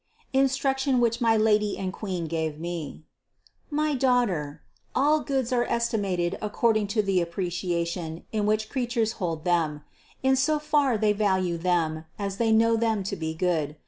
INSTRUCTION WHICH MY LADY AND QUEEN GAVE ME. 686. My daughter, all goods are estimated according to the appreciation in which creatures hold them: in so far they value them, as they know them to be good.